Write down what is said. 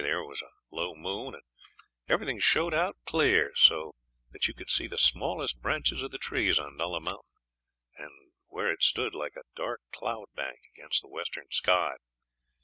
There was a low moon, and everything showed out clear, so that you could see the smallest branches of the trees on Nulla Mountain, where it stood like a dark cloud bank against the western sky.